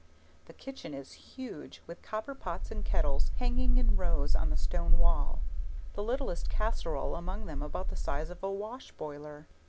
The kitchen is huge, with copper pots and kettles hanging in rows on the stone wall the littlest casserole among them about the size of a wash boiler.